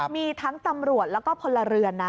มีทั้งตำรวจแล้วก็พลเรือนนะ